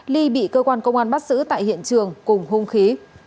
ly bị cơ quan công an bắt giữ tại hiện trường cùng hung khí